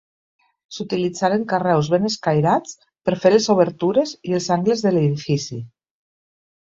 S'utilitzaren carreus ben escairats per fer les obertures i els angles de l'edifici.